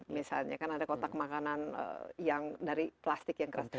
misalnya kan ada kotak makanan yang dari plastik yang keras